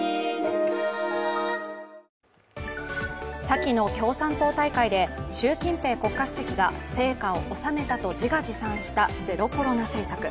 先の共産党大会で習近平国家主席が成果を収めたと自画自賛したゼロコロナ政策。